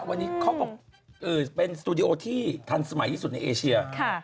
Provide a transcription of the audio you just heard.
วันนี้เขาบอกเป็นสตูดิโอที่ทันสมัยที่สุดในเอเชีย